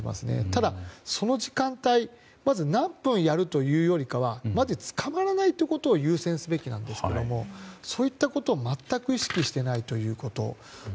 ただ、その時間帯まず何分やるというよりかはまず捕まらないことを優先すべきなんですけれどもそういったことを全く意識していないということ。